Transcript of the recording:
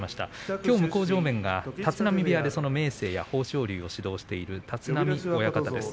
きょう向正面は立浪部屋で明生豊昇龍を指導している立浪親方です。